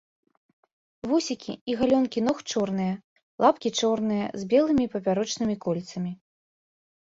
Вусікі і галёнкі ног чорныя, лапкі чорныя з белымі папярочнымі кольцамі.